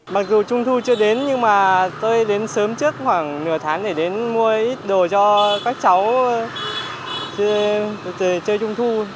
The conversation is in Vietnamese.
mặc dù trung thu chưa đến nhưng mà tôi đến sớm trước khoảng nửa tháng để đến mua ít đồ cho các cháu chơi trung thu